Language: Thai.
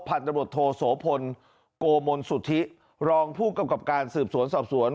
ผ่านตำรวจโทษโผลโกมนสุธิรองผู้กำกับการสืบสวนสอบสวน